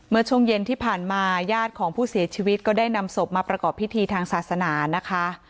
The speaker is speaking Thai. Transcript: เมื่อช่วงเย็นที่ผ่านมาญาติของผู้เสียชีวิตก็ได้นำศพมาประกอบพิธีทางศาสนานะคะ